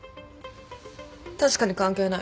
確かに関係ない。